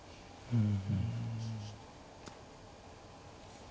うん。